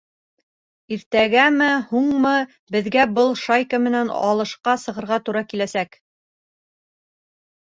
Иртәгәме-һуңмы, беҙгә был шайка менән алышҡа сығырға тура киләсәк.